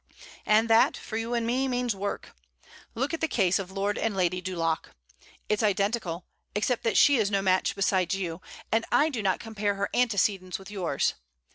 And that, for you and me, means work. Look at the case of Lord and Lady Dulac. It's identical, except that she is no match beside you: and I do not compare her antecedents with yours.